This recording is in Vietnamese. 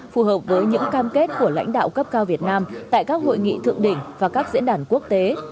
phù hợp với những cam kết của lãnh đạo cấp cao việt nam tại các hội nghị thượng đỉnh và các diễn đàn quốc tế